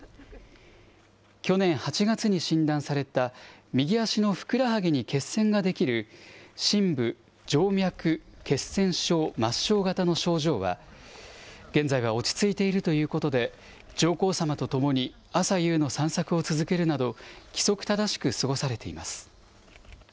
去年８月に診断された右足のふくらはぎに血栓ができる深部静脈血栓症・末梢型の症状は、現在は落ち着いているということで、上皇さまと共に朝夕の散策を続けるなど、規則正しく過ごされています。